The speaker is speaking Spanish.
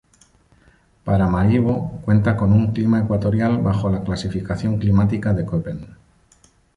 Paramaribo cuenta con un clima ecuatorial, bajo la clasificación climática de Köppen.